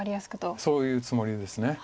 そういうつもりです。